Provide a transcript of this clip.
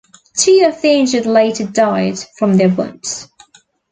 Two of the injured later died from their wounds.